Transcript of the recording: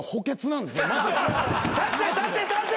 立て立て立て。